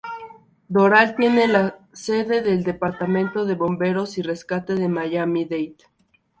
Doral tiene la sede del Departamento de Bomberos y Rescate de Miami-Dade.